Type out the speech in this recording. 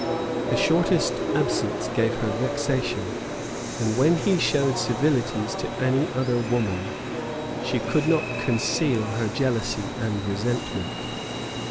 The shortest absence gave her vexation; and, when he showed civilities to any other woman, she could not conceal her jealousy and resentment.